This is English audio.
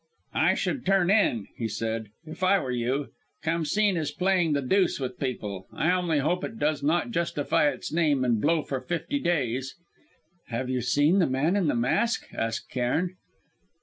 "I should turn in," he said, "if I were you. Khamsîn is playing the deuce with people. I only hope it does not justify its name and blow for fifty days." "Have you seen the man in the mask!" asked Cairn.